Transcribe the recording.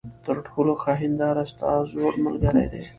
تر ټولو ښه هینداره ستا زوړ ملګری دی.